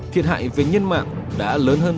thiệt hại về nhân mạng đã lớn hơn